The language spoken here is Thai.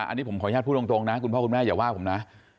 อันนี้ผมขออนุญาตพูดตรงนะคุณพ่อคุณแม่อย่าว่าผมนะ